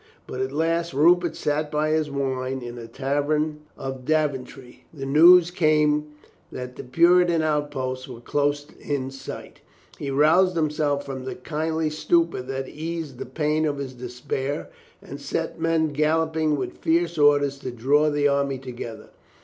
But at last, as Rupert sat by his wine in a tavern of 322 COLONEL GREATHEART Daventry, the news came that the Puritan outposts were close in sight. He roused himself from the kindly stupor that eased the pain of his despair, and set men galloping with fierce orders to draw the army together.